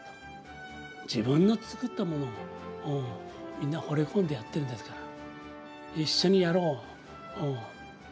自分のつくったものをみんなほれ込んでやってるんですから。